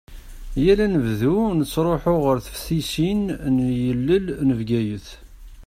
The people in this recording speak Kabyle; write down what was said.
Yal anebdu nettruḥu ɣer teftisin n yilel n Bgayet.